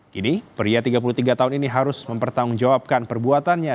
kini pria tiga puluh tiga tahun ini harus mempertanggungjawabkan perbuatannya